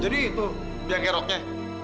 jadi itu dia geroknya